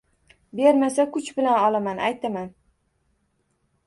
Bermasa, kuch bilan olaman… Aytaman